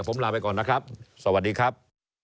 ผมลาไปก่อนนะครับสวัสดีครับ